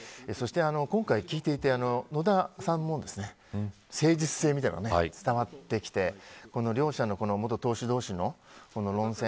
今回聞いていて、野田さんの誠実性みたいなものも伝わってきて両者の元党首同士の論戦